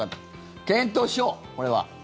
検討しよう、これは。